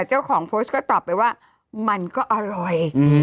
เจ้าของโพสต์ก็ตอบไปว่ามันก็อร่อย